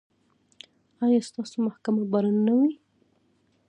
ایا ستاسو محکمه به رڼه نه وي؟